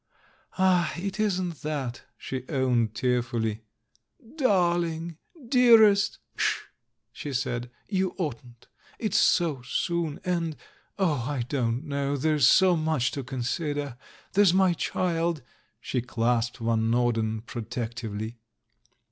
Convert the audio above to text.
"Ah, it isn't that!" she owned tearfully. "Darling! Dearest!" "Sh!" she said, "you oughtn't. It's so soon; and — oh, I don't know, there's so much to consid er. There's my child." She clasped Van Nor den protectively.